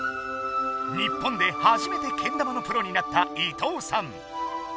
日本で初めてけん玉のプロになった伊藤さん。